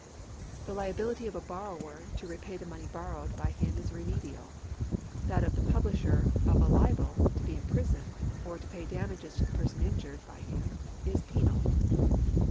The liability of a borrower to repay the money borrowed by him is remedial ; that of the publisher of a libel to be imprisoned, or to pay damages to the person injured by him, is penal.